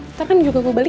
ntar kan juga gue balik